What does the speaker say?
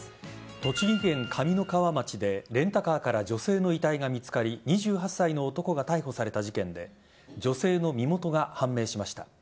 栃木県上三川町でレンタカーから女性の遺体が見つかり２８歳の男が逮捕された事件で女性の身元が判明しました。